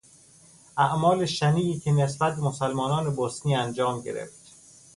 اعمال شنیعی که نسبت به مسلمانان بوسنی انجام گرفت